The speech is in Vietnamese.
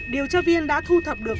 điều tra viên đã thu thập được